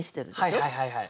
はいはいはいはい。